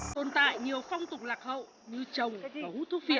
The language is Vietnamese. tồn tại nhiều phong tục lạc hậu như trồng và hút thu phiện